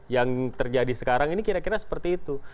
yang terjadi sekarang ini kira kira seperti itu